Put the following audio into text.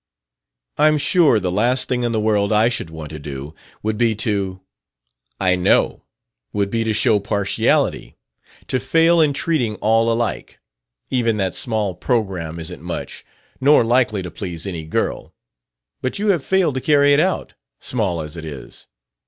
"I'm sure the last thing in the world I should want to do would be to " "I know. Would be to show partiality. To fail in treating all alike. Even that small programme isn't much nor likely to please any girl; but you have failed to carry it out, small as it is.